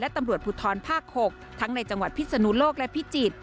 ตำรวจภูทรภาค๖ทั้งในจังหวัดพิศนุโลกและพิจิตร